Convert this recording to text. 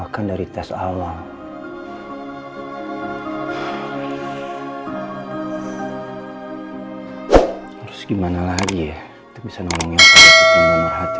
tentu saja ada yang tidak